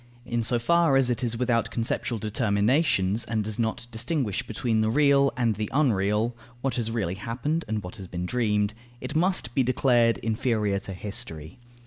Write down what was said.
In so far as it is without conceptual determinations and does not distinguish between the real and the unreal, what has really happened and what has been dreamed, it must be declared inferior to History.